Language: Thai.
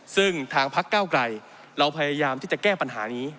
ซึ่งทางพักเก้าไกลเราพยายามที่จะแก้ปัญหานี้